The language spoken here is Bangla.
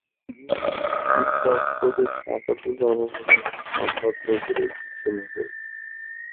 তিনি উদ্বাস্তুদের স্বাগত জানানোর জন্য সাম্রাজ্য জুড়ে ঘোষণা দেন।